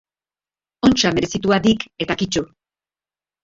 Ontsa merezitua dik eta kito!